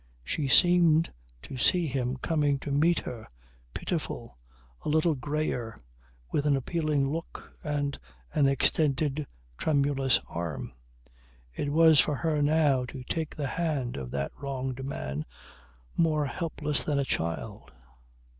She seemed to see him coming to meet her, pitiful, a little greyer, with an appealing look and an extended, tremulous arm. It was for her now to take the hand of that wronged man more helpless than a child.